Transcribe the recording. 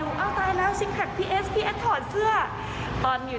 น้องน้องน้องไม่มีท้องหรือเปล่า